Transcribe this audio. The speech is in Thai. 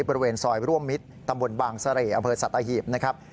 บริเวณซอยร่วมมิตรตำบลบางเสระอเมิดสัตว์อาหิบนะครับ